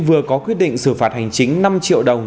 vừa có quyết định xử phạt hành chính năm triệu đồng